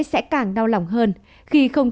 sẽ càng đau lòng hơn khi không